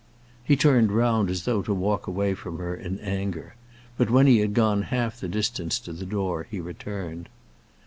He turned round as though to walk away from her in anger; but when he had gone half the distance to the door he returned.